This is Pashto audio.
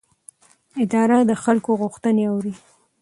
اداره د خلکو غوښتنې اوري.